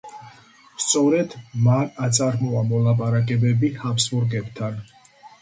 სწორედ მან აწარმოა მოლაპარაკებები ჰაბსბურგებთან.